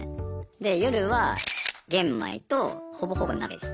で夜は玄米とほぼほぼ鍋です。